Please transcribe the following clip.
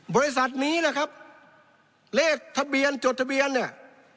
บริษัทนี้แหละครับเลขทะเบียนจดทะเบียนเนี่ย